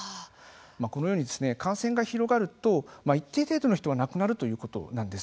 このように感染が広がると一定程度の人は亡くなるということなんです。